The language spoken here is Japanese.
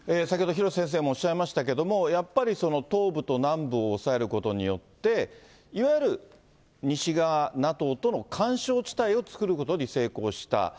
先ほど、廣瀬先生もおっしゃいましたけれども、やっぱりその、東部と南部を押さえることによって、いわゆる西側、ＮＡＴＯとの緩衝地帯を作ることに成功した。